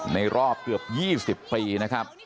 ในรอบเกือบ๒๐ปีนะครับ